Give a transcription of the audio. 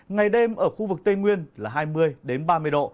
ngày đêm ở khu vực tây nguyên là hai mươi ba mươi độ